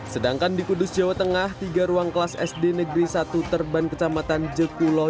sedangkan di kudus jawa tengah tiga ruang kelas sd negeri satu terban kecamatan jekulo